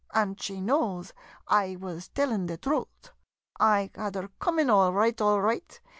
An' she knows I wuz tellin' her the truth. I had her coomin' all roight — all roight.